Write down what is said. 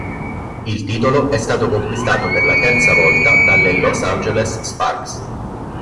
Il titolo è stato conquistato per la terza volta dalle Los Angeles Sparks.